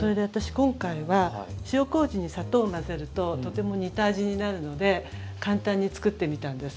今回は塩麹に砂糖を混ぜるととても似た味になるので簡単に作ってみたんです。